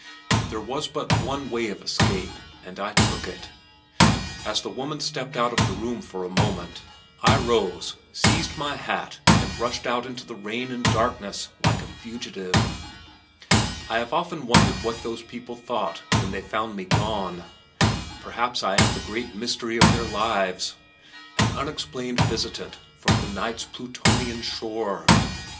There was but one way of escape and I took it. As the woman stepped out of the room for a moment, I rose, seized my hat and rushed out into the rain and darkness like a fugitive. I have often wondered what those people thought when they found me gone. Perhaps I am the great mystery of their lives, an unexplained visitant from "the night's Plutonian shore."